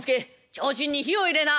提灯に火を入れな」。